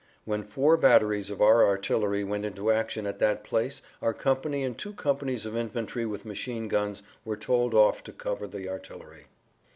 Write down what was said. When four batteries of our artillery went into action at that place our company and two companies of infantry with machine guns were told off to cover the artillery.